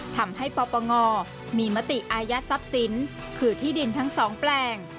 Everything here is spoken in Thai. ทำให้ปปงมีมติอายัดทรัพย์สินคือที่ดินทั้งสองแปลง